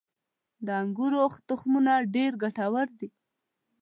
• د انګورو تخمونه ډېر ګټور دي.